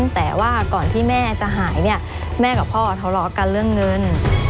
แต่ว่าก่อนที่แม่จะหายเนี่ยแม่กับพ่อทะเลาะกันเรื่องเงิน